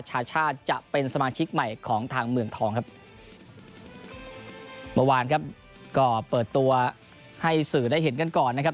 ชาชาติจะเป็นสมาชิกใหม่ของทางเมืองทองครับเมื่อวานครับก็เปิดตัวให้สื่อได้เห็นกันก่อนนะครับ